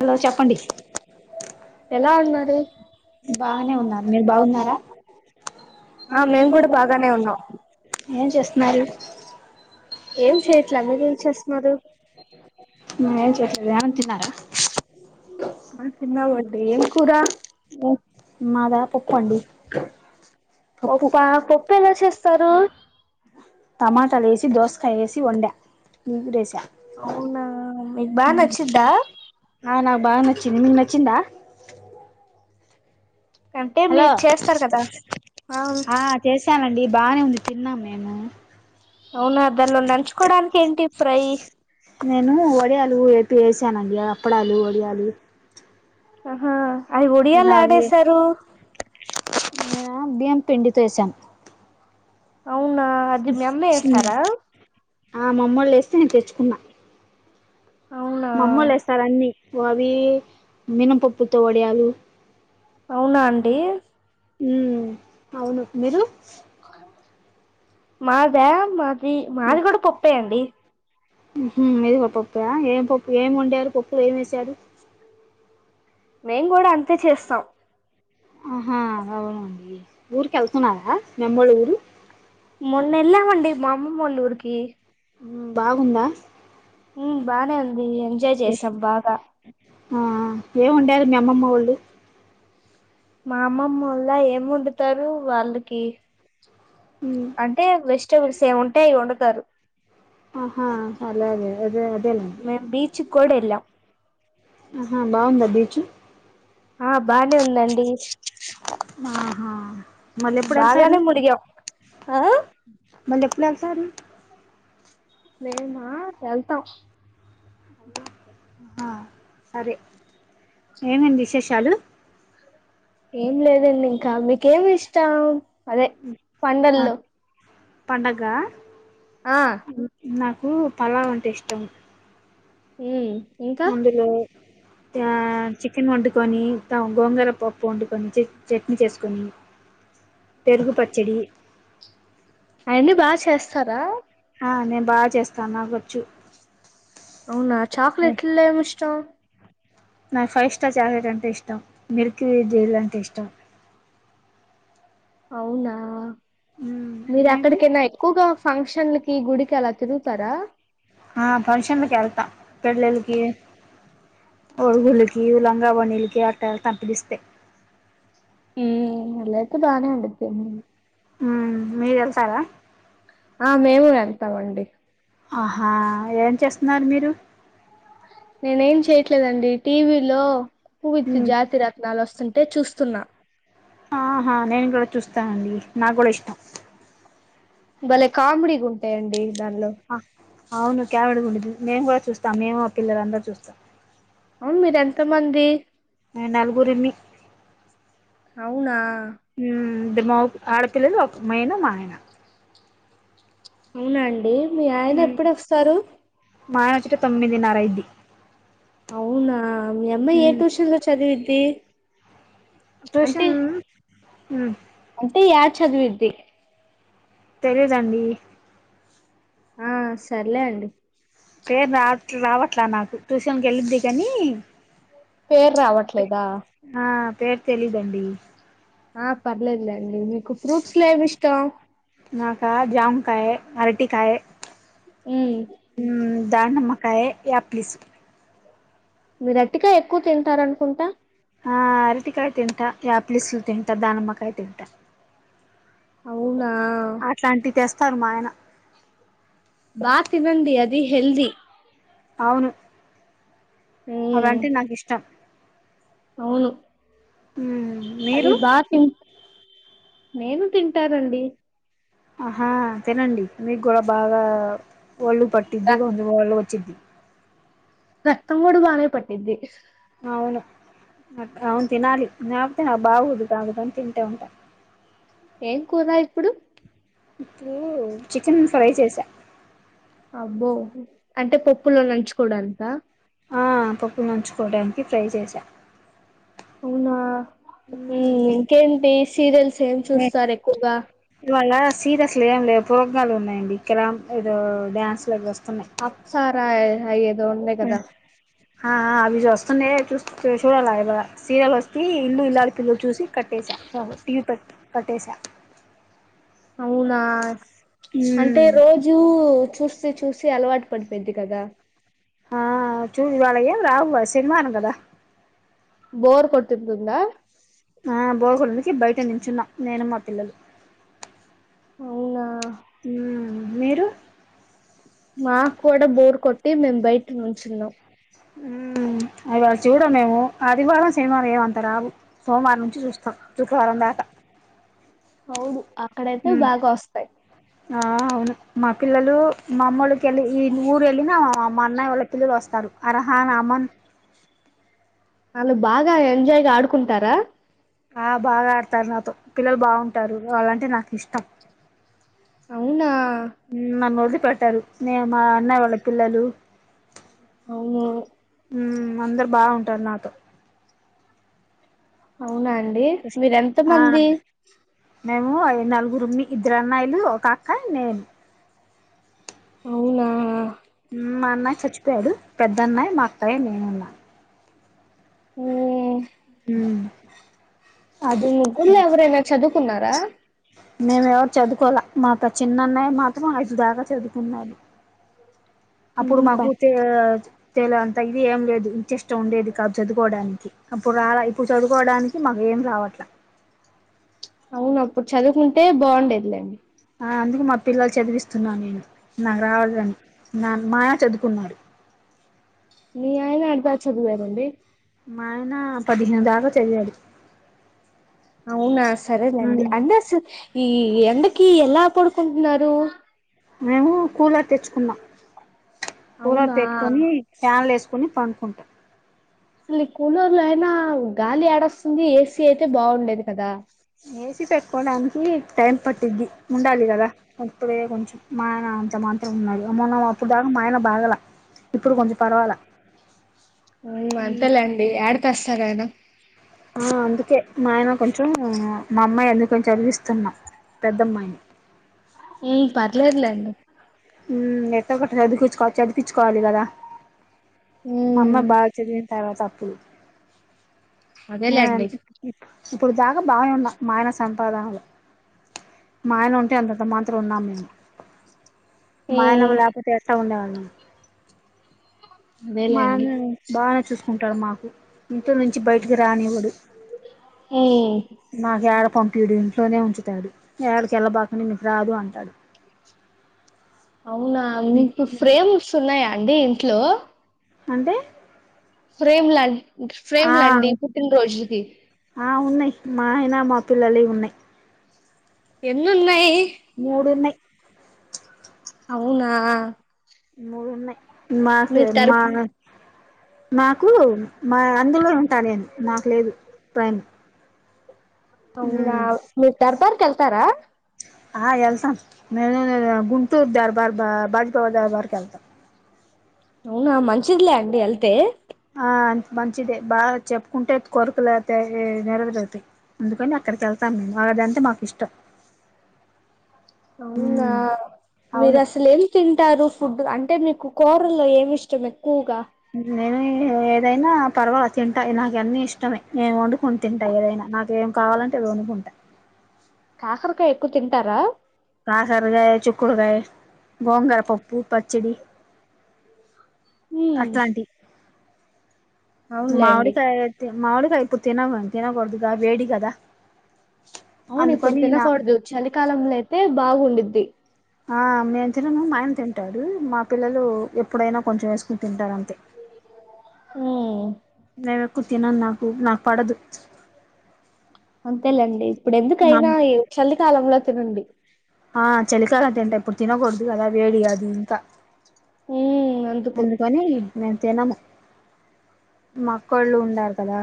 Hello చెప్పండి ఎలా ఉన్నారు బాగానే బాగున్నాం ఉన్నారు అండి మీరు బాగున్నారా అ మేము కూడా బాగానే ఉన్నాం ఏం చేస్తున్నారు ఏం చేయట్లే మీరు ఏం చేస్తున్నారు మయ్ ంత తన్నారా ఆ ఏం కూర మాదా పప్పు అండి పప్ప పప్పు ఎలా చేస్తా టమాటా లేసి దోస్ వన్కాయేసి వండ నీదోస అవునా మీకు బాగా నచ్చిద్దా ఉ హ నాక్ బాగా నచ్చింది మీకు నచ్చిందా అంటే హలో మీరు చేస్తారు కదా అవును ఆ చేశానండి బానే ఉంది తిన్నాం మేమ్ మేము అవునా దానిలో నంచుకోడానికి ఏంటి ఫ్రై వెంచనండి అప్పడాలు వడియాలు ఆహా అవి వడియాలు నావి యాడేసారు మేమ బియ్యం పిండితో వేసాం అవ్ అవునా అది మీ అమ్మ ఎస్తారా ఆ మా అమ్మోళ్ళు వేస్తే నేను తెచ్చుకున్నా అవునా మా అమ్మోళ్ళు వేస్తారు అన్ని అవి మినపప్పుతో వడియాలు అవునా అండి ఉమ్ అవును మీరు మాదా మా మాది మాది కూడా పప్పే అండి హు హు మీది కూడా పప్పా ఏం పప్పు ఏం వండారు పప్పులో ఏం వేసారు. మేం కూడా అంతే చేస్తాం ఆహా అవునుండి ఊరికి వెళ్తున్నారా మీ అమ్మోళ్ళ ఊరు మొన్నెళ్ళామండి మా అమ్మమ్మోళ్ళ ఊరికి ఉమ్ బాగుందా ఉమ్ బానే ఉంది అది ఎంజాయ్ చేసాం బాగా ఆ ఏం వండారు మీ అమ్మమ్మ వాళ్ళు మా అమ్మమ్మల్ల ఏం వండుతారు వాళ్ళకి ఉమ్ అంటే వెస్ట్ వెజిటబుల్స్ ఏం ఉంటే అవి వండుతారు ఆహా అలాగే అదే వన్ మేం బీచ్ కూడేళ్ళం ఆహా బాగుందా బీచ్ ఆ బానే ఉందండి ఆహా మళ్ళీ ఎప్పుడు వెళ్తారు బాగానే మునిగావ్ హా మల్లెప్పుడు ఎళ్తారు మేమా వెళ్తాం ఆ సరే ఏమండీ విశేషాలు ఏం లేదండి ఇంకా మీకేమి ఇష్టం అదే పండల్లో పండగా ఆ నాకు పలావ్ అంటే ఇష్టం హుమ్ అందులో ఆ చికెన్ వండుకొని గోంగరపప్పు వండుకొని చట్నీ చేసుకొని పెరుగు పచ్చడి కదా అ నేను బాగా చేస్తాను నాకొచ్చు అవునా అ చాక్లెట్లో ఏమి ఇష్టం నాకు ఫైవ్ స్టార్ చాక్లెట్ అంటే ఇష్టం మిల్కీ జెల్ అంటే ఇష్టం అవునా మ్మ్ మీరు మీకు ఎక్కడికైనా ఎక్కువగా ఫంక్షన్లకి గుడికి అలా తిరుగుతారా ఆ ఫంక్షన్ల కెళ్తా పెళ్ళిలకి పొరుగులకు ఇల్ గవ నిలికి ఆట్టా ఎళ్తా పిలిస్తే హుమ్ అట్లైతే బానే ఉండిది హ మీరు ఎళ్తార ఆ మేము వెల్తామండి ఆహా ఏం చేస్తున్నారు మీరు నేనే ఏం చేయట్లేదండి టీవీలో కువిస్ మ్మ్ జాతి రత్నాలు వస్తుంటే చూస్తున్న ఆహా నేను కూడ చూస్తానండి నాకు కూడ ఇష్టం బలే కామెడీ గా ఉంటై అండి దానిలో అవును క్యామిడ్ గా ఉండుది మేము కూడ చూస్తాం మేము ఆ పిల్లలందరూ చూస్ అవును మీర్ ఎంత మంది మేం నలుగురిమి అవునా హుమ్ ఇద్దరు మొ ఆడపిల్లలు ఒక్ నేను మా ఆయన అవునా అండి మీ ఆయన మ్మ్ ఎప్పుడొస్తారు మా ఆయన వచ్చేట తొమ్మిదినర అయ్యుది అవునా మీ అమ్మాయి ఏ ట్యూషన్ లో చదివిద్ది ది ట్యూషన్ హమ్ అంటే యాడ చదివిద్ది తెలీదండి ఆ సర్లే అండి పేరు రాట్ రావట్లా నాకు ట్యూషన్కి వెళ్ళిది కానీ పేరు రావట్లేదా ఆ పేరు తెలీదండి ఆ పర్లేద అండి ఫ్రూట్స్ లో ఏం ఇష్టం నాకా జామకాయ అరటికాయ మ్మ్ ధనుమకాయ యా ప్లీస్ మీరు అరటికాయ ఎక్కువ తింటారనుకుంటా ఆ అరటికాయ తింటా ఆప్లీస్లు తింటా దానమ్మకాయ తింటా అవునా అట్లాంటి తెస్తారు మా ఆయన బా తవండి అది హల్ది అవును ఉమ్ అలాంటిది నాకు ఇష్టం అవును హ అది బా తి నేను తింటానండి ఆహా తినండి మీ కూడా బాగా ఒళ్ళు పట్ది ర [unintelligible] ఒళ్ళు వచ్చిద్ది రక్తం కూడ బానేే పట్ది అవును అవును తినాలి నాప్తే నా బాగోదు కాగుదు అంత తి ఉంటా ఏం కూర ఇప్పుడు ఇప్పుడు చికెన్ ఫ్రై చేసా అబ్బో అంటే పప్పులో నంచుకోవడానికి రా ఆ పప్పు నంచుకోవడానికి ఫ్రై చేశా అవునా ఉమ్ ఇంకేంటి సీరియల్స్ చేమ్ చూస్తారు ఎక్కువగా సీదసల్ ఏమ్ లే ప్రోగ్రమ్లు ఉన్నాయండి ఇక్కర ఏదో డ్యాన్స్లు అవి వస్తున్నాయి హైయర్ ఎదో ఉండే కదా ఆ ఆ అవి చస్తున్నాయి కదా చూ చూసి లాగా సీరియల్ వస్తే ఇల్లు ఇల్లాల పిల్లలు చూసి కట్టేసా టీవీ కట్ కట్టేసా అవునా అంటే రోజూ చూస్ సి చూసి అలవాటు పడిపోయింది కదా ఆ చూసి వాళ్ళ ఏం రావు ఆ సినిమాను కదా బోర్ కొట్టు తుందా ఆ బోర్గొట్టనికి బయట నిం చున్న నేను మా పిల్లలు అవునా మీరు మా కుడ బోర్ కొట్టి మేం బయట నుంచున్నాం ఉమ్ అడవి చూడమేము అదివారం సినిమాలు ఏమంత్ తరాబు సోమవారం నుంచి చూస్తా శుక్రవారం దాక అవును అక్కడైతే బాగొస్తాయ్ ఆ అవును మా పిల్లలు మా అమ్మోల్లకి ఎళ్ళి ఈ ఊరు వెళ్ళిన మా అన్నయ్య వాళ్ళ పిల్లలు వస్తారు అరహాన్ అమన్ వాళ్ళు బాగా ఎంజాయ్ గా ఆడుకుంటారా ఆ బాగా ఆడతారు నాతో పిల్లలు బాగుంటారు వాళ్ళంటే నాకు ఇష్టం అవునా నన్ను వదిలిపెట్టరు నే మా అన్నయ వాళ్ళ పిల్లలు అవును అందరు బావుంటారు నాతో అవునా అండి మీరు ఎంత ఆ మంది మేము ఐ నలుగురు మీ ఇద్దరు అన్నాయిలు ఒక అక్క నేను అవునా మా అన్నాయ్ చచ్చిపోయాడు పెద్దన్నయ్ మా అక్కాయి నేనున్నా ఊ హూ అది కున్నారా మేము ఎవరు చదువుకోల మాతో చిన్నన్నయ్య మాత్రం ఐదు దాక చదువుకున్నాను అప్పుడు మ్మ్ ప మాకు తేజ్ తెేల అంతా ఇది ఏం లేదు ఇంట్రెస్ట్ ఉండేది కాదు చదువుకోవడానికి అప్పుడు రా ఇప్పుడు చదువుకోవడానికి మాకు ఏం రావట్ల అవునప్పుడు చదువుకుంటే బావుండేదిలేండి ఆ అందుకు మా పిల్లలు చదివిస్తున్నా నేను నాకు రావాలండి నాన్ మాఆయ చదువుకున్నాడు మీ ఆయన ఎంత చదివారండి మాఆయన పదిహేను దాకా చదివాడు అవునా సరేలేండి అంటే అసల్ ఈ ఈ ఎండకి ఎలా పడుకుంటున్నారు మేము కూలర్ తెచ్చుకున్నాం కూలర్ అవునా పెట్టుకొని ఫ్యాన్లు ఏసుకొని పండుకుంటాం అసలు ఈ కూలర్ లో అయినా గాలి ఏడొస్తుంది ఏసీ అయితే బాగుండేది కదా ఏసీ పెట్టుకోడానికి టైం పట్టిద్ది ఉండాలి కదా ఇప్పుడే కొంచెం మాయన అంత మాత్రం ఉన్నాడు అ మొన్న అప్పుడు దాకా మాయన బాగల ఇప్పుడు కొంచెం పర్వాల ఉ అంతే లేండి ఏడతెస్తారు [unintelligible] ఆ అందుకే మాయన కొంచెం మా అమ్మాయి ఆందుకనే చదివిస్ స్తున్నాం ఏం పర్లేదు లేండి ఉమ్ ఎట్లగోట్ల చదివిపిచ్చు చదివిపించుకోవాలి కదా మమ్మ ఉమ్ బాగా చదివిన తర్వాత [inaudible] నేన్ అదేలేండి ఇప్ ఇప్పుడు దాకా బాగనే ఉన్నా మాయనస్ సంపాదనలు మాయన ఉంటే అంతంత మాత్రం ఉన్నాం మేము మాయన ఉమ్ లేకపోతే ఎట్ట ఉండేవాళ్ళం అదేలేండి మాయన బానే చూసుకుంటాడు మాకు ఇంట్లో నుంచి బయట రానివ్వడు ఉమ్ నాకు ఏడ పంపియడు ఇంట్లోనే ఉంచుతా తాడు ఏడకెళ్ళ బాకనే నీకు రాదు అంటాడు అవునా మీకు ప్రేమ్స్ ఉన్నాయా అండి ఇంట్లో అంటే ఫ్రేమ్లండి ఫ్రేమ్ ఆ లండి పుట్టిన రోజులది ఆ ఉన్నాయి మా ఆయన మా పిల్లలవి ఉన్నాయ్ ఎన్ని ఉన్నాయ్ మూడు మూడున్నాయ్ ఉన్నాయి అవునా మూడు ఉన్నాయి మాకు మీరు దర్ మా నాకు మా అందులో ఉంటా నేను నాకు లేదు ప్రైమ్ అవునా మీ దర్బార్ కెల్తారా ఆ ఎల్తా నేనా గుంటూర్ దర్బార్ బా బాజ్పవ దర్బార్ కెళ్తా అవునా మంచిదిలే అండి వెళ్తే ఆ అంత మంచిదే బాగ చెప్పుకుంటే కొరికలు నెరవేరుగుతాయి అందుకని అక్కడికి వెళ్తాం మేము అదంతే మాకు ఇష్టం అవునా మీరు అవును అసలు ఏం తింటారు ఫుడ్ గానీ అంటే మీకు కూరల్లో ఏమి ఇష్టం ఎక్కువగా నేను ఏదైనా పర్వాల తింటా నాకు అన్నీ ఇష్టమే నేను వండు కొని తింటా ఏదైనా నాకేం కావాలన్ వన్డుకుంట కాకరకాయ ఎక్కువ తింటారా కాకరకాయ చుక్కుడుకాయ గోంగుర పప్పు పచ్చడి హు అట్లాంటివి మామిడికాయ అతే మావళగా అయిపోతతేనావ ఇక్కడి పదాలకు వాయిస్ టైపింగ్ పదాలకు తేడా ఉంది. మవిడుకయ ఇప్పుడు తినాలండి. అవును ఇప్పుడు అందుకని నా తినకూడదు చలికాలంలో అయితే బాగుండద్ది ఆ నెను తెనను మాయన్ తింటారు మా పిల్లలు ఎప్పుడైనా కొంచెం వేసుకుని తింటారు అంతే. ఆ నేను ఎక్కువ తినను నాకు నాకు పడదు అంతే అండి ఇప్పుడు మా ఎందుకైనా ఈ చల్లి స్థాలంలో తినండి ఆ చలి కాల అంత ఎంటా ఇప్పుడు తినదు అ అలా వేడి అదు ఇంకా ఉమ్ అందుకు అందుకని నే జినము మాక్కళ్ళు ఉన్నారు కదా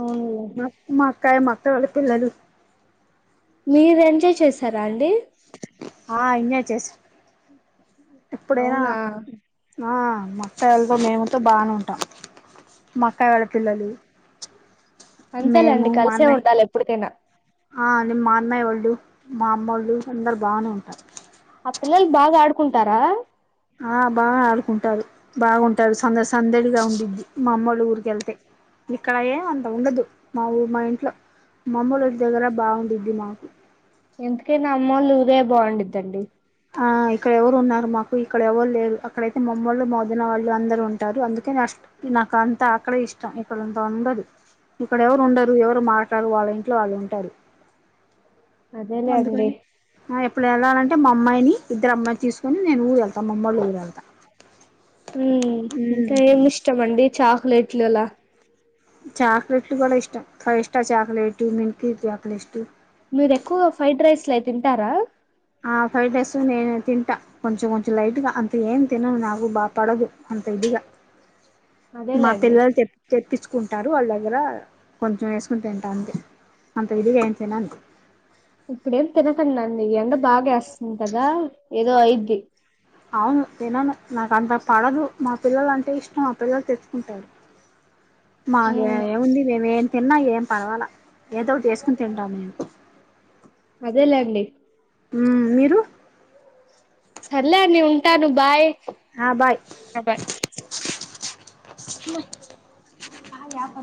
అవునులే మా మా అక్కయ మాక్క వాళ్ళ పిల్లలు మీ రజ చేసాారు ఆ ఇ చేస్ ఎప్పుడైనా అవునా ఆ మత్తయలతో మేముతో బాగా ఉంటాం అట్ట అంతేలండి మేము మా కలిసే అన్నయ్య ఉండాలి ఎప్పుటికైనా. ఆ నిమ్ అన్నయ ఒళ్ళు మా అమ్మళ్ళు చూ అందరు బాగానే ఉంటారు ఆ పిల్లలు బాగా ఆడుకుంటారా? ఆ బాగా ఆడుకుంటారు బాగుంటాడు సంద సందడిగా ఉండింది. మా అమ్మళ్ళ ఊరికి వెళ్తే ఇక్కడ అంత ఉండదు. మా ఊ మా ఇంట్ [inaudible] మమ్మూలటి దగ్గర బావుంద్ది నాకు ఎందుకైనా అమ్మోళ్లుఊదే బాగుంద్దండి ఆ ఇక్కడ ఎవరు ఉన్నారు మాకు ఇక్కడ ఎవరు లేరు అక్కడైతే మమ్మళ్ మౌదన వాళ్ళు అందరు ఉంట అనిటారు అందుకని అ నాకు అంతా అక్కడ ఇష్టం. ఇక్కడంత ఉండదు ఇక్కడ ఎవరు ఉండరు ఎవరు మాట్లారు. వాళ్ళ ఇంట్లో వాళ్ళు ఉంటారు. అదేలే అండి అందుకని ఎప్పుడు వెళ్ళాలంటే మా అమ్మాయిని ఇద్దరు అమ్మాయి తీసుకొని నేను ఊరు వెళ్తా మామోల ఊరు వెళ్తా చాక్లేెట్లులా చాక్లేెట్ కూడా ఇష్ట ఫైవ్ స్టార్ చాక్లలేట్ మింకీ చాక్లేెట్ మీరు ఎక్కువ ఫ్రైడ్ రైస్లు అయి తింటారా ఆ ఫ్రైడ్ రైస్ నేను తింటా కొంచెం కొంచెం లైట్గా అంత ఏం తినను నాకు బాగా పడదు అంత ఇదిగా మా అదేలే అండి పిల్లలు తె తెప్పించుకుంటారు వాళ్ళ దగ్గర కొంచెం వేసుకొని తింటా అంతే అంత విధిగా ఏం తినను ఇప్పుడేం తినకకండి ఎండ బా గ్యాస్ కదా ఏదో అయిద్ది అవును తినను నాకు అంత పడదు మా పిల్లలు అంటే ఇష్టం మా పిల్లలు తే ఉంటాారు మాకు ఉమ్ ఏముంది మేము ఏం తిన్నా ఏం పర్వాలా ఏదో ఒకటి ఎసుకోని తింటాము మేము అదేలేండి హ్మ్ మీరు సర్లేండి ఉంటాను బాయ్ ఆ బాయ్ బాయ్